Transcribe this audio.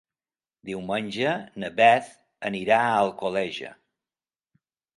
Diumenge na Beth anirà a Alcoleja.